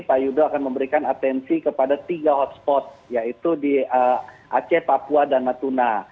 pak yudo akan memberikan atensi kepada tiga hotspot yaitu di aceh papua dan natuna